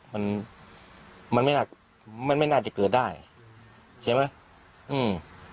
มันมันไม่น่ามันไม่น่าจะเกิดได้ใช่ไหมอืม